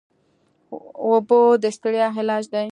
اوبه د ستړیا علاج دي.